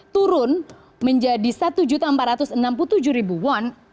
turun menjadi satu empat ratus enam puluh tujuh won